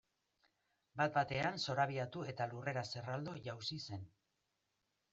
Bat batean zorabiatu eta lurrera zerraldo jausi zen.